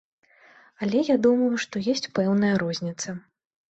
Але я думаю, што ёсць пэўная розніца.